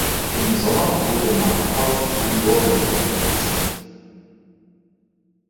Im Sommer wurde Markow Junioreneuropameister.